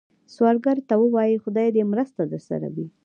سوالګر ته ووايئ “خدای دې مرسته درسره وي”